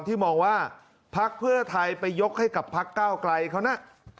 มองว่าพักเพื่อไทยไปยกให้กับพักเก้าไกลเขานะ